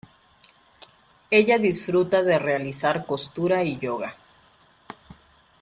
Ella disfruta de realizar costura y yoga.